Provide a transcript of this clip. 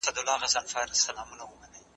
خلکو د کلونو راهیسې د کرنې لپاره کار کاوه.